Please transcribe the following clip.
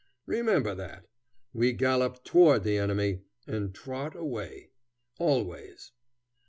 Remember that. We gallop toward the enemy, and trot away, always.